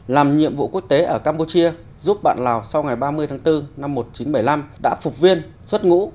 làm nhiệm vụ quốc tế ở campuchia giúp bạn lào sau ngày ba mươi tháng bốn năm một nghìn chín trăm bảy mươi năm đã phục viên xuất ngũ